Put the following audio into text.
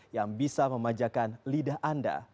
yang bisa memanjakan lidah anda